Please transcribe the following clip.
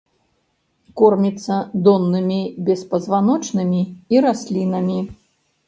Корміцца доннымі беспазваночнымі і раслінамі.